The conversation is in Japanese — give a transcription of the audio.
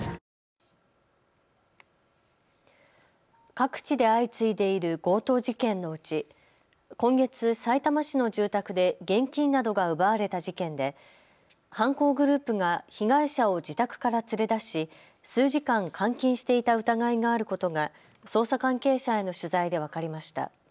各地で相次いでいる強盗事件のうち今月、さいたま市の住宅で現金などが奪われた事件で犯行グループが被害者を自宅から連れ出し数時間、監禁していた疑いがあることが捜査関係者への取材で分かりました。